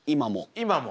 今も？